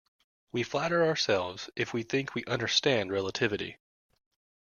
We flatter ourselves if we think we understand relativity.